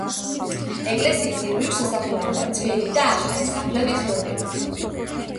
ეკლესიის ირგვლივ სასაფლაოა ძველი და ახალი საფლავის ლოდებით.